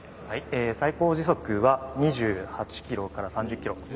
最高時速は２８キロから３０キロ。